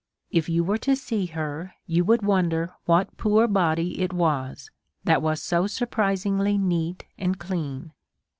If you were to see her, you would wonder what poor body it was that was so sur prisingly neat and clean.